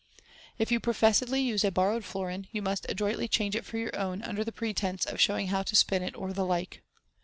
If you professedly use a borrowed florin, you must adroitly change it for your own, under pretence of showing how to spin it, or the like.